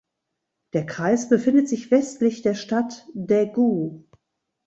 Der Kreis befindet sich westlich der Stadt Daegu.